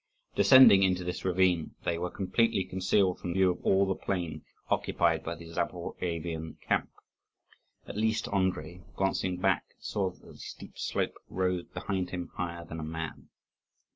Descending into this ravine, they were completely concealed from the view of all the plain occupied by the Zaporovian camp. At least Andrii, glancing back, saw that the steep slope rose behind him higher than a man.